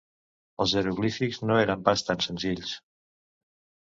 Els jeroglífics no eren pas tan senzills.